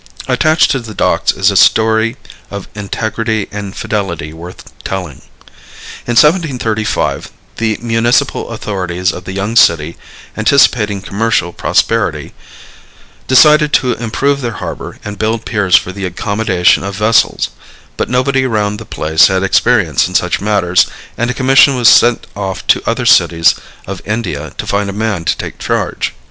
Attached to the docks is a story of integrity and fidelity worth telling. In 1735 the municipal authorities of the young city, anticipating commercial prosperity, decided to improve their harbor and build piers for the accommodation of vessels, but nobody around the place had experience in such matters and a commission was sent off to other cities of India to find a man to take charge.